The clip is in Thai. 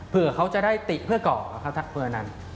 เผื่อเขาจะได้ติเพื่อก่อเขาถ้าเพื่อนนั้น